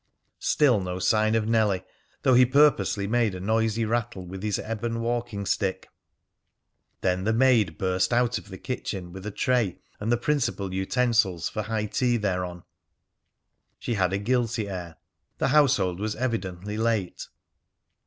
Still no sign of Nellie, though he purposely made a noisy rattle with his ebon walking stick. Then the maid burst out of the kitchen with a tray and the principal utensils for high tea thereon. She had a guilty air. The household was evidently late.